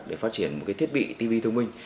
để phát triển một cái thiết bị tv thông minh